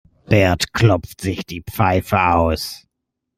Bert klopft sich die Pfeife aus.